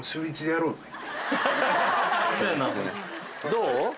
どう？